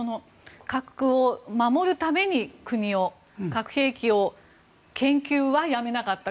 核を守るために国を核兵器の研究はやめなかった。